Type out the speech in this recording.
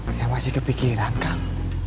saya masih kepikiran kang